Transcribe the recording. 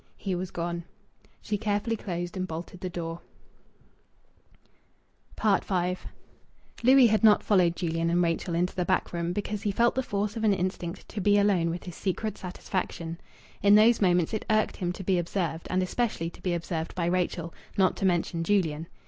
He was gone. She carefully closed and bolted the door. V Louis had not followed Julian and Rachel into the back room because he felt the force of an instinct to be alone with his secret satisfaction. In those moments it irked him to be observed, and especially to be observed by Rachel, not to mention Julian.